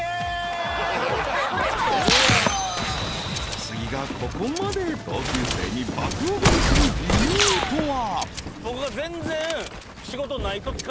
［小杉がここまで同級生に爆おごりする理由とは］